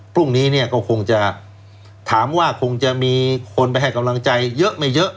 พรุ่งนี้เนี่ยก็คงจะถามว่าคงจะมีคนไปให้กำลังใจเยอะไม่เยอะ